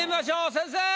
先生。